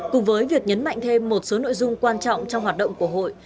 cùng với việc nhấn mạnh thêm một số nội dung quan trọng trong hoạt động của hội